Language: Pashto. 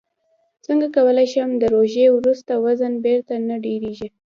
څنګه کولی شم د روژې وروسته وزن بېرته نه ډېرېږي